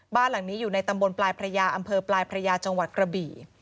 บ้านหลังนี้อยู่ในตำบลปลายพระยาอำเภอปลายพระยาจังหวัดกระบี่